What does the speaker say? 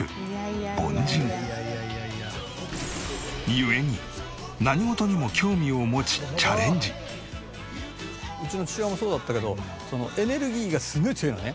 故にうちの父親もそうだったけどエネルギーがすごい強いのね。